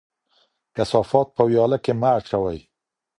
کثافات په ویاله کې مه اچوئ.